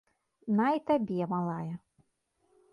На і табе, малая.